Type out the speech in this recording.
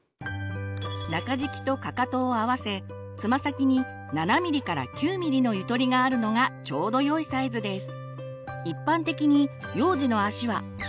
中敷きとかかとを合わせつま先に７ｍｍから９ｍｍのゆとりがあるのがちょうどよいサイズです。